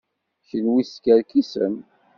Kenwi teskerkisem.